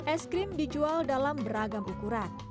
es krim dijual dalam beragam ukuran